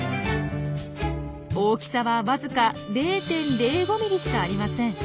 大きさはわずか０．０５ｍｍしかありません。